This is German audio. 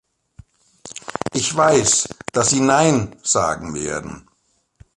Ich weiß, dass sie "Nein" sagen werden.